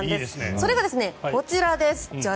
それがこちらです。